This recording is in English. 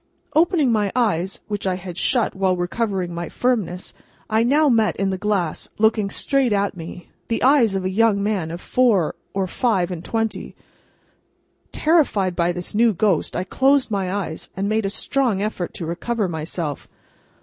Opening my eyes, which I had shut while recovering my firmness, I now met in the glass, looking straight at me, the eyes of a young man of four or five and twenty. Terrified by this new ghost, I closed my eyes, and made a strong effort to recover myself.